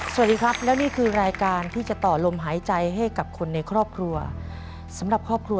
สวัสดีครับแล้วนี่คือรายการที่จะต่อลมหายใจให้กับคนในครอบครัว